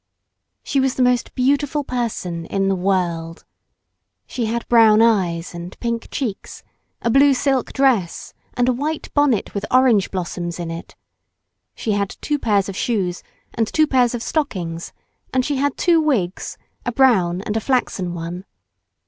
She was the most beautiful person in the world. She had brown eyes and pink cheeks, a blue silk dress and a white bonnet with orange blossoms in it. She had two pairs of shoes and two pairs of stockings, and she had two wigs, a brown and a flaxen one.